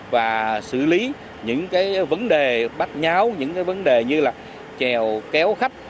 và xử lý những vấn đề bác nháo những vấn đề như là chèo kéo khách